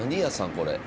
これ。